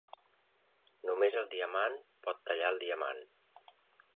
Només el diamant pot tallar el diamant.